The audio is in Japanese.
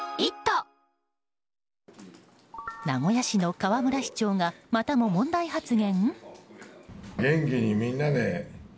名古屋市の河村市長がまたも問題発言？